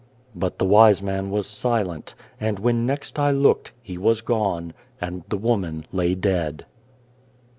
But the wise man was silent, and when next I looked, he was gone, and the woman lay dead.